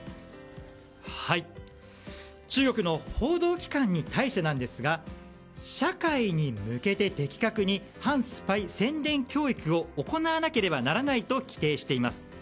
中国の報道機関に対してなんですが社会に向けて的確に反スパイ宣伝教育を行わなければならないと規定しています。